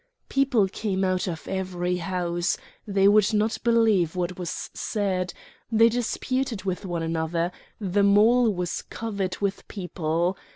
People came out of every house; they would not believe what was said; they disputed with one another; the mole was covered with people.